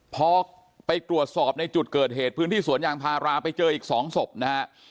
พอไปตรวจสอบในจุดเกิดเหตุพื้นที่สวนยางพาราไปเจออีก๒ศพนะฮะ